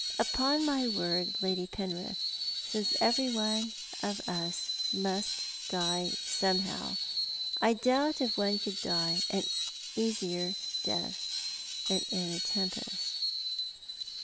Upon my word, Lady Penrith, since everyone of us must die somehow, I doubt if one could die easier than in a tempest."